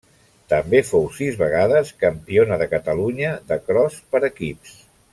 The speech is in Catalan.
També fou sis vegades campiona de Catalunya de cros per equips.